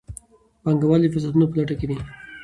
پانګوال د فرصتونو په لټه کې دي.